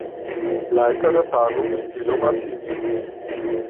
Leiter der Tagung ist Thilo Martini.